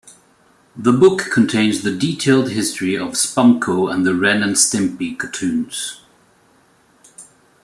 The book contains the detailed history of Spumco and the Ren and Stimpy cartoons.